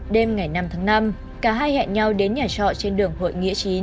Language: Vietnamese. đêm ngày năm tháng năm cả hai hẹn nhau đến nhà trọ trên đường hội nghĩa chín